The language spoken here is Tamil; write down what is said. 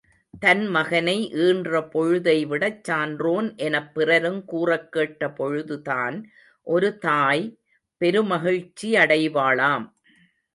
தன் மகனை ஈன்ற பொழுதைவிடச் சான்றோன் எனப் பிறருங் கூறக் கேட்ட பொழுதுதான், ஒரு தாய் பெருமகிழ்ச்சியடைவாளாம்.